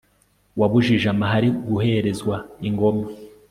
wabujije amahari guherezwa ingoma